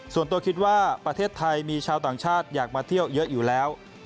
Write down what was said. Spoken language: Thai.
ส่วนตัวคิดว่าประเทศไทยมีชาวต่างชาติอยากมาเที่ยวเยอะอยู่แล้ว